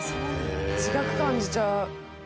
違く感じちゃう。